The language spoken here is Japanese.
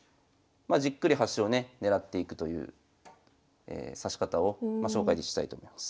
まあじっくり端をねねらっていくという指し方を紹介したいと思います。